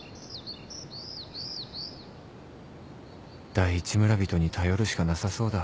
第一村人に頼るしかなさそうだ